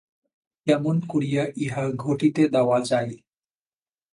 কেমন করিয়া ইহা ঘটিতে দেওয়া যায়।